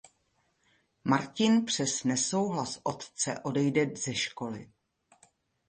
Martin přes nesouhlas otce odejde ze školy.